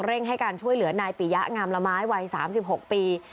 ให้การช่วยเหลือนายปิยะงามละไม้วัย๓๖ปี